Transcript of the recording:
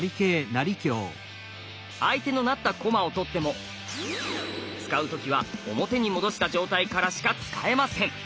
相手の成った駒を取っても使う時は表に戻した状態からしか使えません。